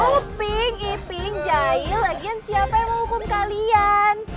oh ping iping jail lagi yang siapa yang mau hukum kalian